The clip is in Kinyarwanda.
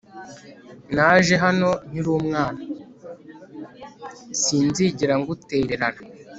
Sinzigera ngutererana